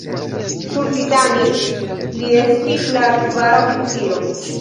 Sur "Titanic" li estis la kvara oficiro.